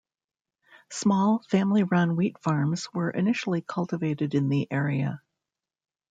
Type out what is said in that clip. Small, family run wheat farms were initially cultivated in the area.